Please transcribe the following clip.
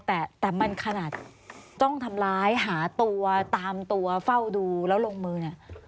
แต่มันขนาดจ้องทำร้ายหาตัวตามตัวเฝ้าดูแล้วลงมือเนี่ย